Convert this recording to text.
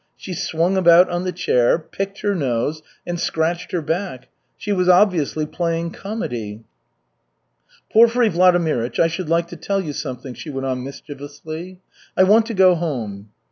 She swung about on the chair, picked her nose, and scratched her back. She was obviously playing comedy. "Porfiry Vladimirych, I should like to tell you something," she went on mischievously. "I want to go home."